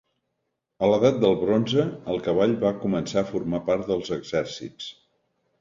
A l'edat del bronze, el cavall va començar a formar part dels exèrcits.